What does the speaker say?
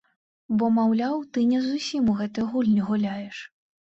Бо, маўляў, ты не зусім у тыя гульні гуляеш.